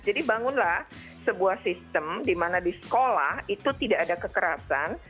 jadi bangunlah sebuah sistem di mana di sekolah itu tidak ada kekerasan